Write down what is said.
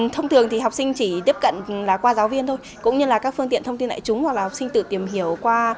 thông thường thì học sinh chỉ tiếp cận là qua giáo viên thôi cũng như là các phương tiện thông tin đại chúng hoặc là học sinh tự tìm hiểu qua